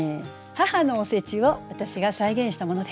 母のおせちを私が再現したものです。